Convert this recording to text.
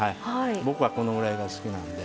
僕はこのぐらいが好きなんで。